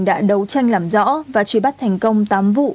đã đấu tranh làm rõ và truy bắt thành công tám vụ